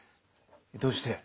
どうして？